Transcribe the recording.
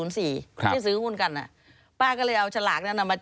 ที่ซื้อหุ้นกันป้าก็เลยเอาฉลากนั้นเอามา